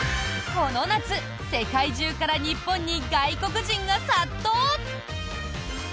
この夏、世界中から日本に外国人が殺到！